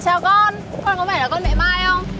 chào con con có vẻ là con mẹ mai không